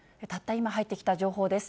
今、入ってきた情報です。